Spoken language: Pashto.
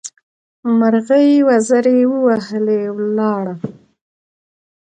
مرغۍ وزرې ووهلې؛ ولاړه.